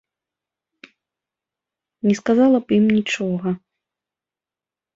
Не сказала б ім нічога.